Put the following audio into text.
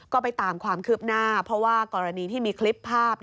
ก็ไปตามความคืบหน้าเพราะว่ากรณีที่มีคลิปภาพ